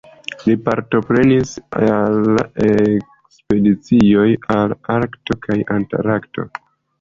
Li partoprenis al ekspedicioj al Arkto kaj Antarkto.